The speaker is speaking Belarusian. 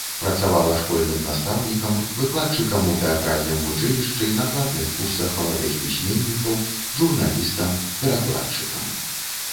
Працавала школьным настаўнікам, выкладчыкам у тэатральным вучылішчы, на платных курсах маладых пісьменнікаў, журналістам, перакладчыкам.